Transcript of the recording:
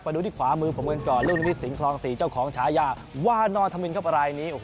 ดูที่ขวามือผมกันก่อนเรื่องนิมิตสิงคลอง๔เจ้าของฉายาวานอธมินครับรายนี้